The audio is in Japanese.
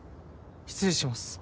失礼します。